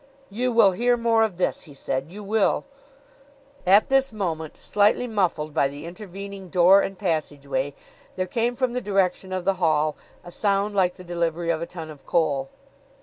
"You will hear more of this," he said. "You will " At this moment, slightly muffled by the intervening door and passageway, there came from the direction of the hall a sound like the delivery of a ton of coal.